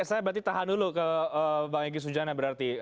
saya berarti tahan dulu ke bang egy sujana berarti